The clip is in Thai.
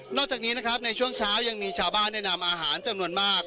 จากนี้นะครับในช่วงเช้ายังมีชาวบ้านได้นำอาหารจำนวนมาก